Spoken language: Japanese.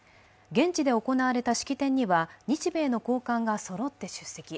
現地で行われた式典には日米の高官がそろって出席。